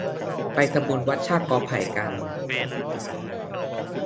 ไปทำบุญวัดชากกอไผ่กัน